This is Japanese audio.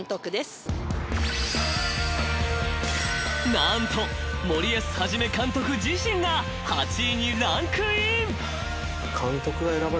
［何と森保一監督自身が８位にランクイン］